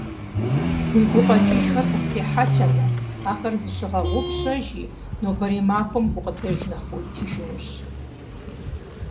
Уи гукъэкӀыжхэр къыптехьэлъэмэ, ахэр зыщыгъэгъупщэжи, нобэрей махуэм гукъыдэж нэхъ къуитыжынущ!